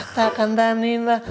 takkan dan nina